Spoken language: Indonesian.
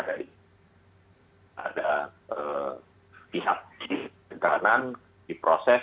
jadi ada pihak di tekanan di proses